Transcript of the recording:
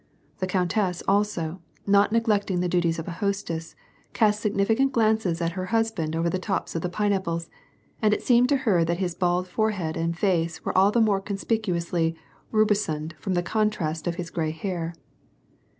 The countess also, not neglect ing the duties of a hostess, cast significant glances at her hus band over the tops of the pineapples, and it seemed to her that his bald forehead and face were all the more conspicu ously rubicund from the contrast of his gray hair.